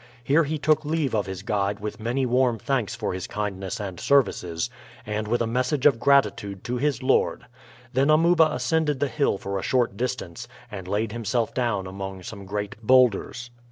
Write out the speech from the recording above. Here he took leave of his guide with many warm thanks for his kindness and services, and with a message of gratitude to his lord. Then Amuba ascended the hill for a short distance, and laid himself down among some great bowlders.